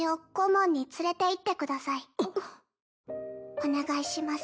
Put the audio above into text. お願いします。